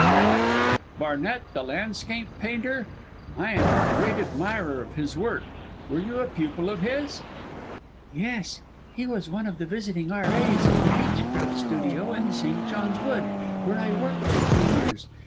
"What! Barnett the landscape painter! I am a great admirer of his work. Were you a pupil of his?" "Yes, he was one of the visiting R.A.'s at the Beechcroft Studio in St. John's Wood, where I worked for three years.